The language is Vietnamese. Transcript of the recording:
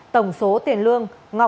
tổng số tiền lương